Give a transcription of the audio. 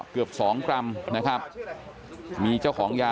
เกือบสองกรัมนะครับมีเจ้าของยา